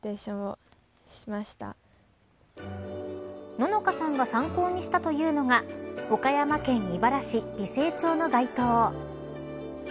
野乃花さんが参考にしたというのが岡山県井原市美星町の街灯。